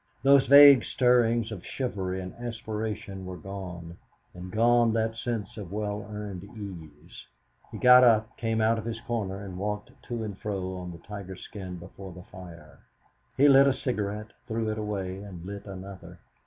Those vague stirrings of chivalry and aspiration were gone, and gone that sense of well earned ease. He got up, came out of his corner, and walked to and fro on the tiger skin before the fire. He lit a cigarette, threw it away, and lit another.